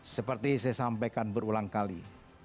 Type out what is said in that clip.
seperti saya sampaikan berulang kali